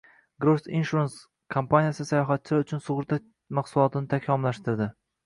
Gross Insurance kompaniyasi sayohatchilar uchun sug‘urta mahsulotini takomillashtirdi